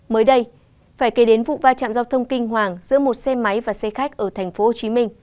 mới đây phải kể đến vụ va chạm giao thông kinh hoàng giữa một xe máy và xe khách ở tp hcm